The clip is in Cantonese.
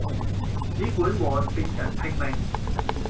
只管和別人拼命